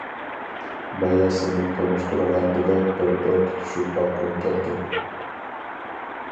بايا سىنى تونۇشتۇرغاندىلا بىر بەل تۇتۇشۇپ باققۇم كەلگەن.